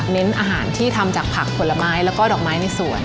อาหารที่ทำจากผักผลไม้แล้วก็ดอกไม้ในสวน